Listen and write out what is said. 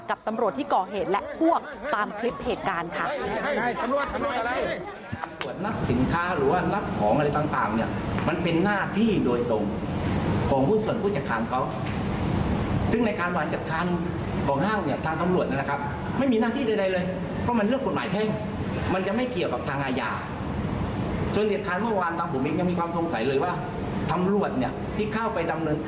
ตำรวจที่ก่อเหตุและพวกตามคลิปเหตุการณ์ค่ะ